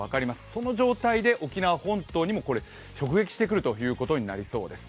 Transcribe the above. その状態で沖縄本島にも直撃してくるということになりそうです。